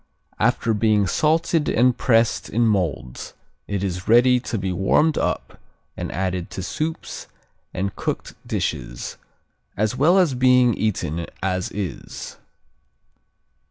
After being salted and pressed in molds it is ready to be warmed up and added to soups and cooked dishes, as well as being eaten as is.